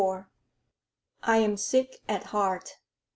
I'm sick at heart.